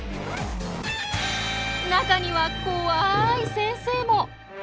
中にはこわい先生も。